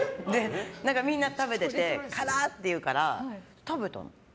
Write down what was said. みんな食べてて辛っ！って言うから食べたの。